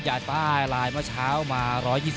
หย่าป้ายลายเมื่อเช้ามา๑๒๕